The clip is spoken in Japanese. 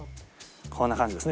こんな感じですね。